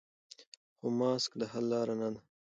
خو ماسک د حل لاره نه ده.